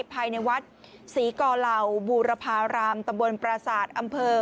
ภายในวัดศรีกอเหล่าบูรพารามตำบลปราศาสตร์อำเภอ